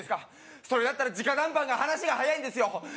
それやったら、じか談判が話が早いんですよ。